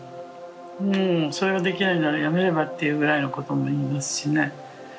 もうそれができないならやめればっていうぐらいのことも言いますしね」。